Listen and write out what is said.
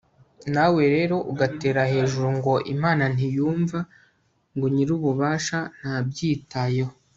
nawe rero ugatera hejuru ngo imana ntiyumva, ngo nyir'ububasha ntabyitayeho